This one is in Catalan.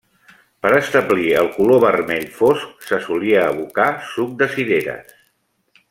Per establir el color vermell fosc se solia abocar suc de cireres.